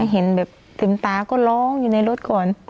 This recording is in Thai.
เติมตาก็ร้องอยู่ในรถก่อน